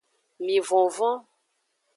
Mi vonvon.